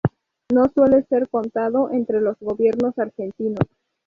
No suele ser contado entre los gobiernos argentinos.